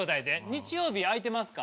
日曜日空いてますか？